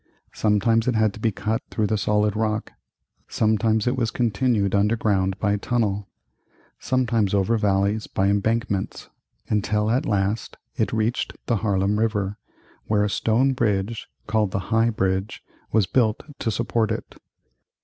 Sometimes it had to be cut through the solid rock; sometimes it was continued underground by tunnel; sometimes over valleys by embankments, until at last it reached the Harlem River where a stone bridge, called the High Bridge, was built to support it.